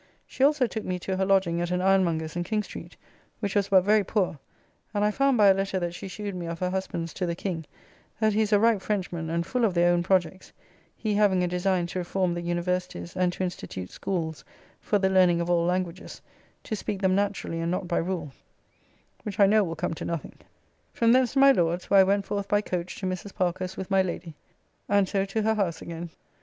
She also took me to her lodging at an Ironmonger's in King Street, which was but very poor, and I found by a letter that she shewed me of her husband's to the King, that he is a right Frenchman, and full of their own projects, he having a design to reform the universities, and to institute schools for the learning of all languages, to speak them naturally and not by rule, which I know will come to nothing. From thence to my Lord's, where I went forth by coach to Mrs. Parker's with my Lady, and so to her house again.